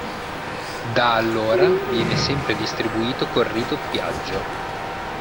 Da allora viene sempre distribuito col ridoppiaggio.